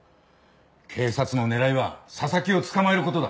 警察の狙いは紗崎を捕まえることだ。